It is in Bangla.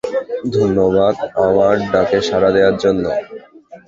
ধন্যবাদ আমার ডাকে সাড়া দেওয়ার জন্য।